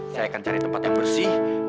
saya akan cari tempat yang bersih